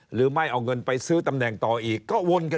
หรือไม่เอาเงินไปซื้อตำแหน่งต่ออีกก็วนกัน